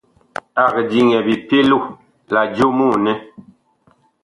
Ag diŋɛ bipɛlo la jomoo nɛ.